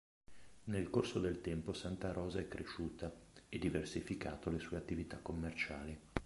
Nel corso del tempo, Santa Rosa è cresciuta e diversificato le sue attività commerciali.